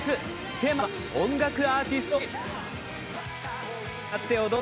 テーマは音楽アーティスト推し。